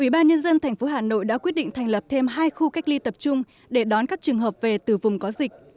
ủy ban nhân dân tp hà nội đã quyết định thành lập thêm hai khu cách ly tập trung để đón các trường hợp về từ vùng có dịch